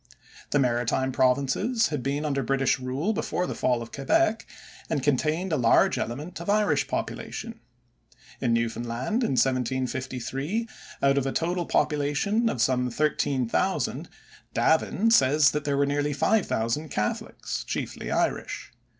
The maritime Provinces had been under British rule before the fall of Quebec and contained a large element of Irish population. In Newfoundland in 1753 out of a total population of some thirteen thousand, Davin says that there were nearly five thousand Catholics, chiefly Irish.